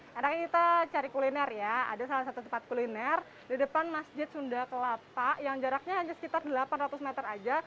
karena kita cari kuliner ya ada salah satu tempat kuliner di depan masjid sunda kelapa yang jaraknya hanya sekitar delapan ratus meter aja